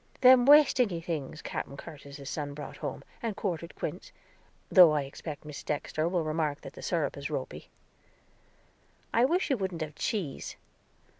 "Them West Ingy things Capen Curtis's son brought home, and quartered quince, though I expect Mis Dexter will remark that the surup is ropy." "I wish you wouldn't have cheese."